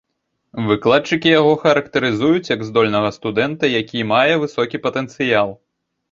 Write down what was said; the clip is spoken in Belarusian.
Выкладчыкі яго характарызуюць як здольнага студэнта, які мае высокі патэнцыял.